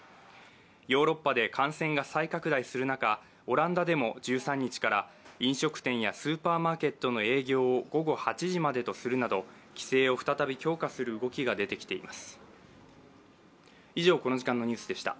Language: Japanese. ヨーロッパで感染が再拡大する中、オランダでも１３日から飲食店やスーパーマーケットの営業を営業を午後８時までとするなど規制を再び強化する動きが出ています。